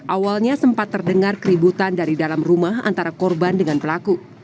awalnya sempat terdengar keributan dari dalam rumah antara korban dengan pelaku